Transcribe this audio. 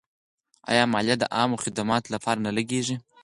آیا مالیه د عامه خدماتو لپاره نه لګیږي؟